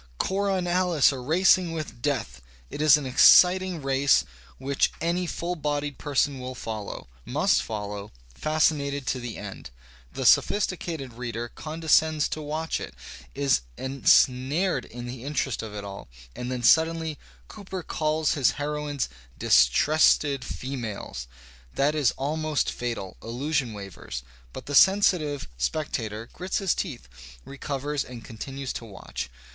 Cora and Alice are racing with death! It is an exciting Digitized by Google 38 THE SPIRIT OF AMERICAN LITERATURE race which any full blooded person will follow, must follow, fascinated to the end. The sophisticated reader condescends to watch it, is ensnared in the interest of it all, and then suddenly. Cooper calls his heroines '^distressed females." That is almost fatal; illusion wavers; but the sensitive spectator grits his teeth, recovers and continues to watch.